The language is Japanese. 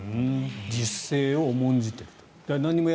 自主性を重んじてると。